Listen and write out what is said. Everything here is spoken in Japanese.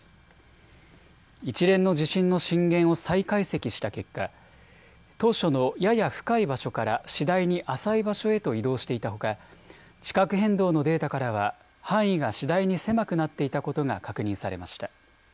一連の地震の震源を再解析した結果、当初のやや深い場所から次第に浅い場所へと移動していたほか地殻変動のデータからは範囲が次第に狭くなっていたことが確認されました。